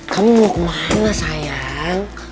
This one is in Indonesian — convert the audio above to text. kamu mau kemana sayang